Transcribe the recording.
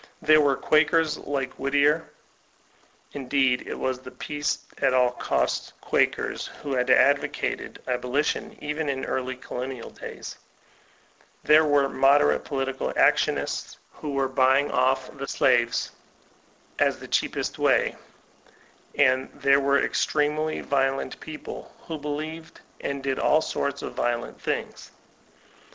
There were Quakers like Whittier (in deed it was the peace at all costs Quakers who had ad vocated abolition even in early colonial days) ; there were moderate political actionists, who were for bujring off the slaves, as the cheapest way ; and there were extremely violent people, who believed and did ail sorts of violent things.